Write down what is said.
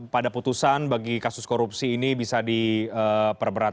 pada putusan bagi kasus korupsi ini bisa diperberat